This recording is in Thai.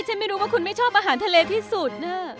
ฉันไม่รู้ว่าคุณไม่ชอบอาหารทะเลที่สุดน่ะ